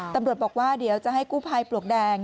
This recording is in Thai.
ตำรวจบอกว่าเดี๋ยวจะให้กู้ภัยปลวกแดง